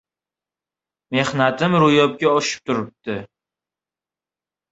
Mehnatim ro‘yobga oshib turibdi